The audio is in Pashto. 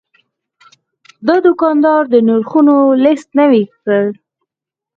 دا دوکاندار د نرخونو لیست نوي کړ.